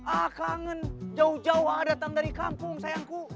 ah kangen jauh jauh datang dari kampung sayangku